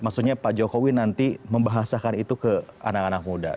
maksudnya pak jokowi nanti membahasakan itu ke anak anak muda